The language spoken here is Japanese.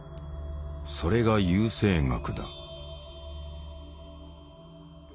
それが優生学だ。